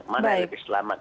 mana yang lebih selamat